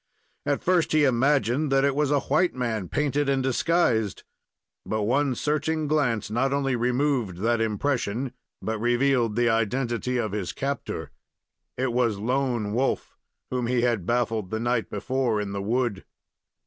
At first he imagined that it was a white man painted and disguised, but one searching glance not only removed that impression, but revealed the identity of his captor. It was Lone Wolf, whom he had baffled the night before in the wood.